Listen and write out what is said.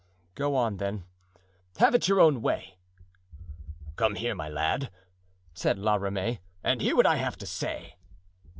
"Go on, then; have it your own way." "Come here, my lad," said La Ramee, "and hear what I have to say."